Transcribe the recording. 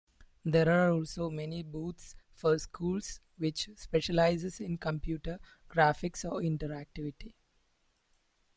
There are also many booths for schools which specialize in computer graphics or interactivity.